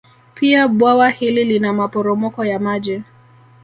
Pia bwawa hili lina maporomoko ya maji